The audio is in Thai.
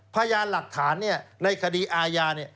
พยานหลักฐานในคดีอาญา